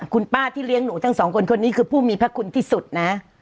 คุณป้าที่เลี้ยงหนูทั้งสองคนคนนี้คือผู้มีพระคุณที่สุดนะ